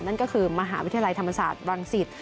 นั่นก็คือมหาวิทยาลัยธรรมศาสตร์รังสิต